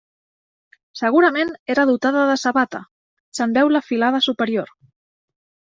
Segurament era dotada de sabata; se'n veu la filada superior.